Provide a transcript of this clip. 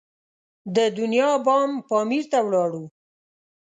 د دنیا بام پامیر ته ولاړو.